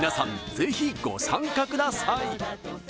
ぜひご参加ください